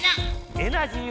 エナジー